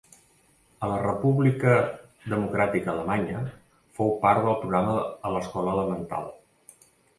A la República Democràtica Alemanya, fou part del programa a l'escola elemental.